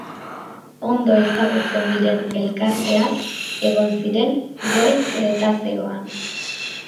Ondo ezagutzen diren elkarteak egon ziren Goi Kretazeoan.